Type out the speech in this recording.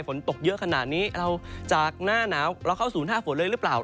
ฝนตกเยอะขนาดนี้เราจากหน้าหนาวเราเข้าสู่หน้าฝนเลยหรือเปล่า